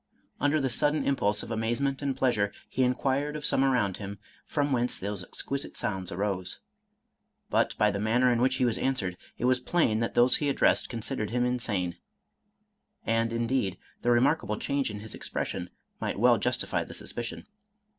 Under the sudden impulse of amazement and pleasure, he inquired of some around him from whence those exquisite sounds >wVide Betterton's History of the Stage. 183 Irish Mystery Stories arose. But, by the manner in which he was answered, it was plain that those he addressed considered him insane; and, indeed, the remarkable change in his expression might well justify the suspicion.